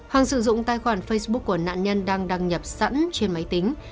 hằng sử dụng tài khoản facebook của nạn nhân đang đăng nhập sẵn trên máy tính